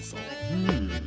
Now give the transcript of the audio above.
うん。